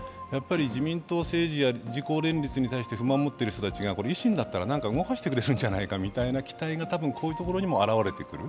自民党政治や自公連立に対して不満を持っている人たちが維新だったら何か動かしてくれるんじゃないかという期待が多分、こういうところにも現れてくる。